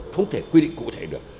không thể quy định cụ thể được